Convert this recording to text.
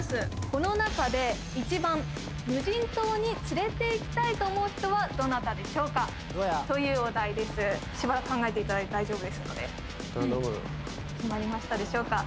この中で１番無人島に連れて行きたいと思う人はどなたでしょうか？というお題ですしばらく考えていただいて大丈夫ですので決まりましたでしょうか？